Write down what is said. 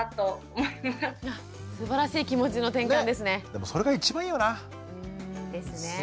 でもそれが一番いいよな。ですね。